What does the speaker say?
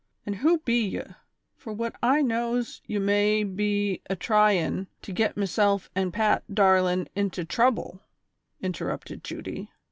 an' who be ye ; fur what I knows ye may be atryin' to git meself an' Pat darlin' into trouble V " interrupted Judy.